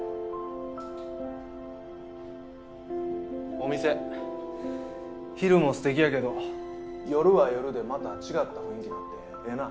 お店昼もすてきやけど夜は夜でまた違った雰囲気でええな。